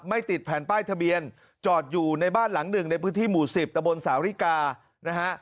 ติดแผ่นป้ายทะเบียนจอดอยู่ในบ้านหลังหนึ่งในพื้นที่หมู่๑๐ตะบนสาวริกานะฮะ